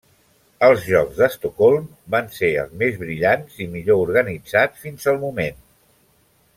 Els Jocs d'Estocolm van ser els més brillants i millor organitzats fins al moment.